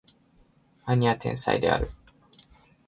兄は天才である